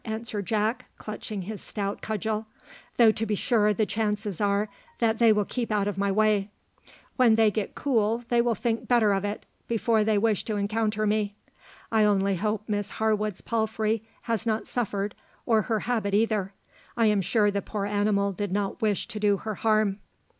answered Jack, clutching his stout cudgel; "though to be sure the chances are that they will keep out of my way. When they get cool they will think better of it, before they will wish to encounter me. I only hope Miss Harwood's palfrey has not suffered, or her habit either; I am sure the poor animal did not wish to do her harm."